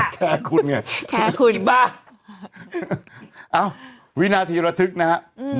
แคร์คูณแคร์คูณอิบะอ้าววินาธีระทึกนะครับอืม